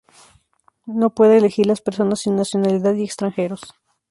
No puede elegir las personas sin nacionalidad y extranjeros.